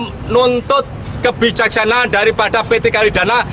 menuntut kebijaksanaan daripada pt kalidana